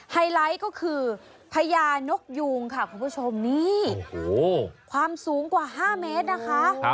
ไฮไลท์ก็คือพญานกยูงค่ะคุณผู้ชมนี่ความสูงกว่า๕เมตรนะคะ